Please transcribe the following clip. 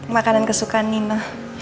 makanan kesukaan nino